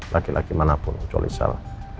laki laki manapun kecuali sal